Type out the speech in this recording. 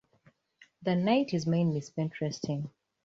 The night is mainly spent resting.